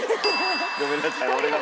ごめんなさい俺が。